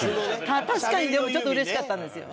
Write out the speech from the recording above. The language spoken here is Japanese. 確かにでもちょっとうれしかったんですよ。